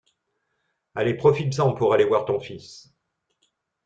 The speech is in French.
Allez, profites-en pour aller voir ton fils.